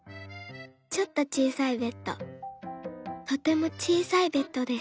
ちょっとちいさいベッドとてもちいさいベッドです。